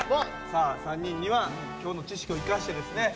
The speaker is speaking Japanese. さあ３人には今日の知識を生かしてですね